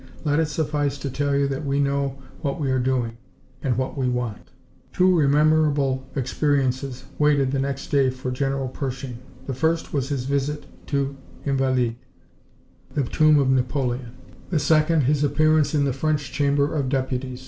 Let it suffice to tell you that we know what we are doing, and what we want." Two rememberable experiences waited the next day for General Pershing. The first was his visit to des Invalides, the tomb of Napoleon; the second, his appearance in the French Chamber of Deputies.